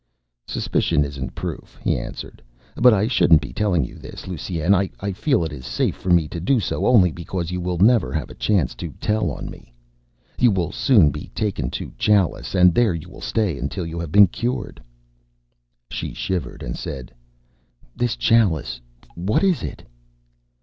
"Suspicion isn't proof," he answered. "But I shouldn't be telling you all this, Lusine. I feel it is safe for me to do so only because you will never have a chance to tell on me. You will soon be taken to Chalice and there you will stay until you have been cured." She shivered and said, "This Chalice? What is it?"